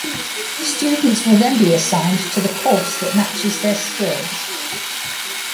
Students will be then assigned to the course that matches their skills.